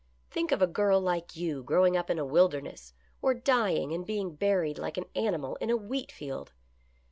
Think of a girl like you growing up in a wilderness, or dying and being buried like an animal in a wheat field